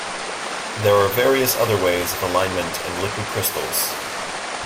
There are various other ways of alignment in liquid crystals.